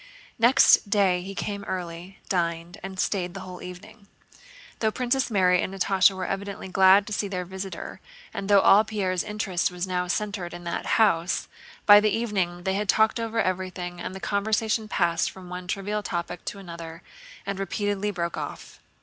Next day he came early, dined, and stayed the whole evening. Though Princess Mary and Natásha were evidently glad to see their visitor and though all Pierre's interest was now centered in that house, by the evening they had talked over everything and the conversation passed from one trivial topic to another and repeatedly broke off.